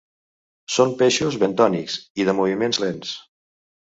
Són peixos bentònics i de moviments lents.